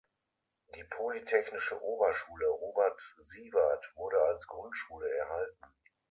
Die Polytechnische Oberschule „Robert Siewert“ wurde als Grundschule erhalten.